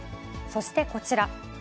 そしてこちら。